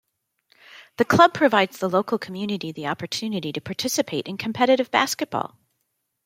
The club provides the local community the opportunity to participate in competitive basketball.